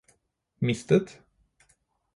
mistet